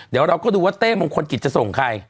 เดี๋ยวเราก็ดูว่าเต้มงคลกิจจะส่งใคร